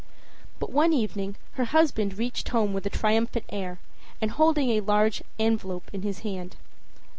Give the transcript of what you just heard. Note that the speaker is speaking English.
But one evening her husband reached home with a triumphant air and holding a large envelope in his hand.